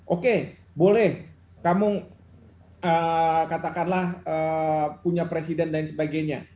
oke boleh kamu katakanlah punya presiden dan sebagainya